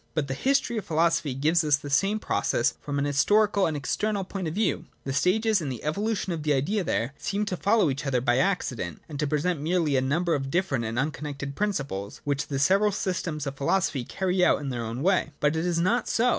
But the History of Philo sophy gives us the same process from an historical and , external point of view. The stages in the evolution of the Idea there seem to follow each other by accident, and to present merely a number of different and un connected principles, which the several systems ot philosophy carry out in their own way. But it is not so.